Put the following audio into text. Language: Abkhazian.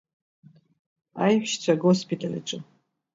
Еҳәшьцәа агоспиталь аҿы.